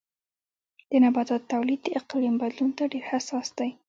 د نباتاتو تولید د اقلیم بدلون ته ډېر حساس دی.